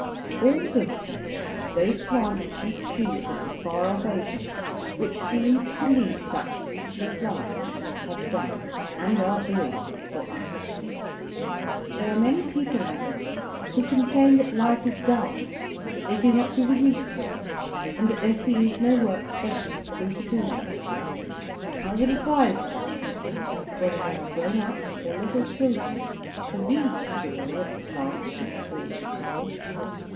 All this then, those plants and trees of the far off ages, which seemed to lead such useless lives, have done and are doing for us. There are many people in the world who complain that life is dull, that they do not see the use of it, and that there seems no work specially for them to do. I would advise such people, whether they are grown up or little children, to read the story of the plants which form the coal.